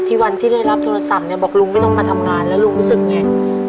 วันที่วันที่ได้รับโทรศัพท์เนี่ยบอกลุงไม่ต้องมาทำงานแล้วลุงรู้สึกไง